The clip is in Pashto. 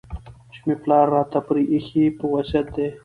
چي مي پلار راته پرې ایښی په وصیت دی